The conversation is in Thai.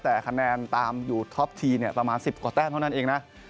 แต่คะแนนตามอยู่ท็อปทีเนี่ยประมาณ๑๐กว่าแต้มเท่านั้นเองนะ